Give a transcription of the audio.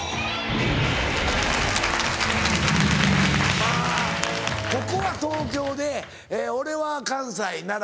まぁここは東京で俺は関西奈良